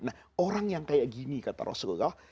nah orang yang kayak gini kata rasulullah